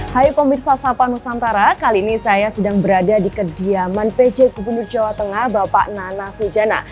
hai pemirsa sapa nusantara kali ini saya sedang berada di kediaman pj gubernur jawa tengah bapak nana sujana